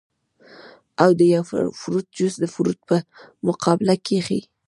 او د يو فروټ جوس د فروټ پۀ مقابله کښې